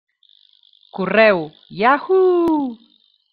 Correu, Yahoo!